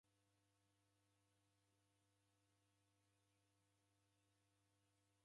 Ado lee, ni kisaya kuida mndu kituri?